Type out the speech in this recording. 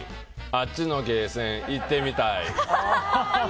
あっちのゲーセン行ってみたい」。